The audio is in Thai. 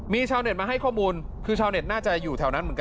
มีชาวเน็ตมาให้ข้อมูลคือชาวเน็ตน่าจะอยู่แถวนั้นเหมือนกัน